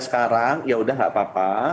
sekarang yaudah nggak apa apa